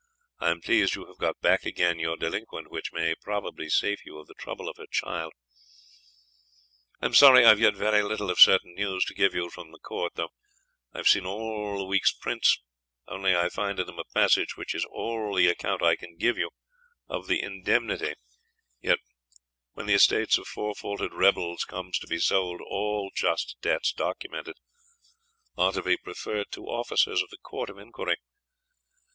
Im pleased yo have got back again yr Delinquent which may probably safe you of the trouble of her child. I'm sory I've yet very little of certain news to give you from Court tho' I've seen all the last weekes prints, only I find in them a pasage which is all the account I can give you of the Indemnity yt when the estates of forfaulted Rebells Comes to be sold all Just debts Documented are to be preferred to Officers of the Court of enquiry.